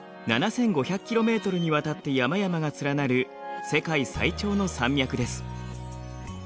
７，５００ｋｍにわたって山々が連なる世界最長の山脈です。